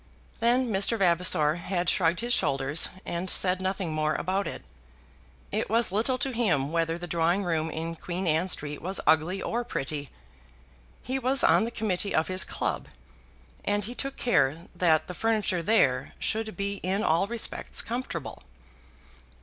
Then Mr. Vavasor had shrugged his shoulders and said nothing more about it. It was little to him whether the drawing room in Queen Anne Street was ugly or pretty. He was on the committee of his club, and he took care that the furniture there should be in all respects comfortable.